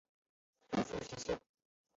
祖父徐庆。